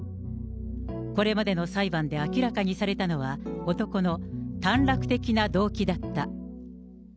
これまでの裁判で明らかにされたのは、男の短絡的な動機だった。